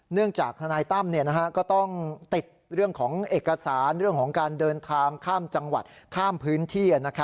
จากทนายตั้มก็ต้องติดเรื่องของเอกสารเรื่องของการเดินทางข้ามจังหวัดข้ามพื้นที่